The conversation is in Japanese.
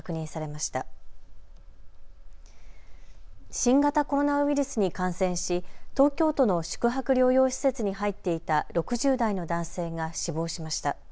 新型コロナウイルスに感染し東京都の宿泊療養施設に入っていた６０代の男性が死亡しました。